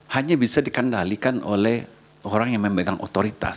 hanya bisa dikendalikan oleh orang yang memegang otoritas